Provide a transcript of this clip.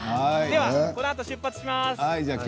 このあと出発します。